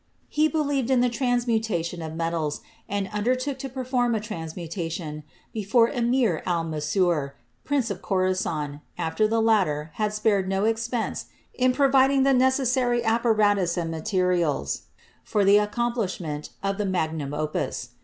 He believed in the transmutation of metals and undertook to perform a transmutation before Emir Al mansour, Prince of Khorassan, after the latter had spared no e::pense in providing the necessary apparatus and materials for the accomplishment of the "magnum opus."